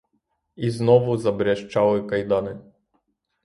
І знову забряжчали кайдани.